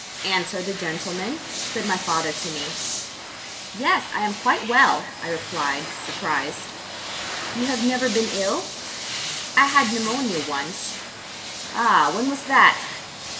"Answer the gentleman," said my father to me. "Yes, I am quite well," I replied, surprised. "You have never been ill?" "I had pneumonia once." "Ah, when was that?"